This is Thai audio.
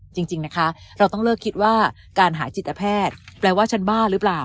จริงนะคะเราต้องเลิกคิดว่าการหาจิตแพทย์แปลว่าฉันบ้าหรือเปล่า